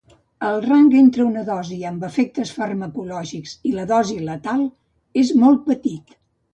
El rang entre una dosi amb efectes farmacològics i la dosi letal és molt petit.